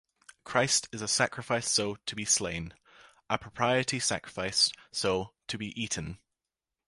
Christ is a sacrifice-so, to be slain; a propitiatory sacrifice-so, to be eaten.